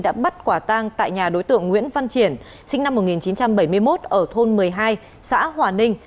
đã bắt quả tang tại nhà đối tượng nguyễn văn triển sinh năm một nghìn chín trăm bảy mươi một ở thôn một mươi hai xã hòa ninh